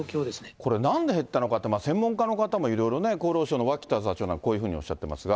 これ、なんで減ったのかって、専門家の方もいろいろね、厚労省の脇田座長なんかこういうふうにおっしゃってますが。